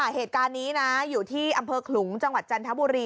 เหตุการณ์นี้นะอยู่ที่อำเภอขลุงจังหวัดจันทบุรี